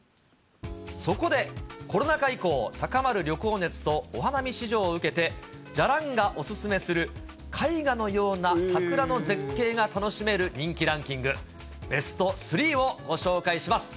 そこで、コロナ禍以降、高まる旅行熱とお花見市場を受けて、じゃらんがお勧めする絵画のような桜の絶景が楽しめる人気ランキング、ベスト３をご紹介します。